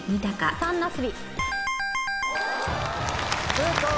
正解！